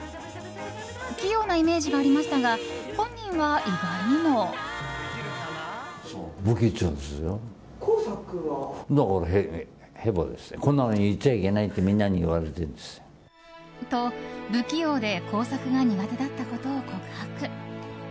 器用なイメージがありましたが本人は意外にも。と、不器用で工作が苦手だったことを告白。